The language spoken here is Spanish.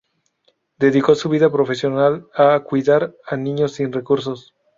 Dedicó su vida profesional a cuidar a niños sin recursos.